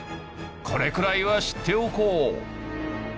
これくらいは知っておこう。